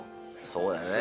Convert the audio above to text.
そうだね。